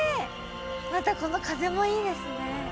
またこの風もいいですね。